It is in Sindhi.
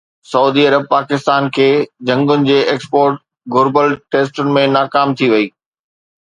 سعودي عرب پاڪستان کي جهنگن جي ايڪسپورٽ گهربل ٽيسٽن ۾ ناڪام ٿي وئي